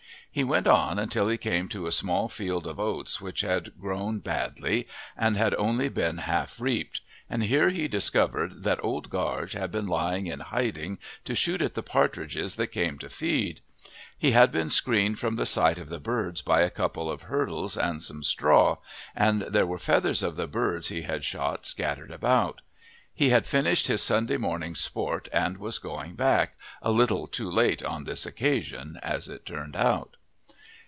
He went on until he came to a small field of oats which had grown badly and had only been half reaped, and here he discovered that Old Gaarge had been lying in hiding to shoot at the partridges that came to feed. He had been screened from the sight of the birds by a couple of hurdles and some straw, and there were feathers of the birds he had shot scattered about. He had finished his Sunday morning's sport and was going back, a little too late on this occasion as it turned out.